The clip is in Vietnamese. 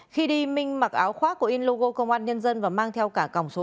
khi đi minh mặc áo khoác của in logo công an nhân dân và mang theo cả còng số tám